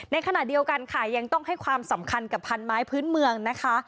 ในขณะเดียวกันค่ะยังต้องให้ความสำคัญกับพันไม้พื้นเมืองนะคะ